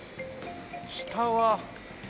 下は。